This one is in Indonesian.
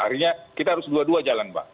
akhirnya kita harus dua dua jalan mbak